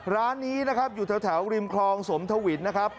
ร้านนี้นะครับอยู่แถวริมคลองสมทวินนะครับ